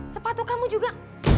sepatu kamu juga